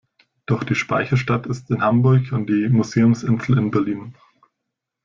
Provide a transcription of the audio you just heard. Doch die Speicherstadt ist in Hamburg und die Museumsinsel in Berlin.